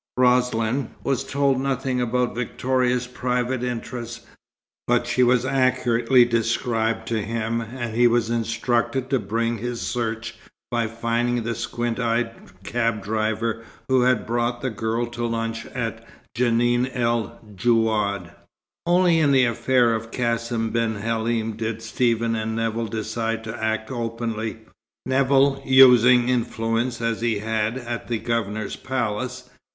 Roslin was told nothing about Victoria's private interests, but she was accurately described to him, and he was instructed to begin his search by finding the squint eyed cab driver who had brought the girl to lunch at Djenan el Djouad. Only in the affair of Cassim ben Halim did Stephen and Nevill decide to act openly, Nevill using such influence as he had at the Governor's palace.